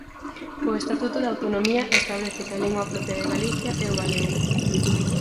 O Estatuto de autonomía establece que a lingua propia de Galicia é o galego.